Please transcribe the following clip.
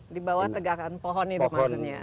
di bawah tegakan pohon itu maksudnya